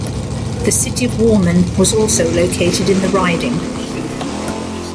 The city of Warman was also located in the riding.